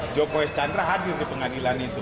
joko chandra hadir di pengadilan itu